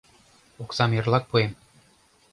— Оксам эрлак пуэм.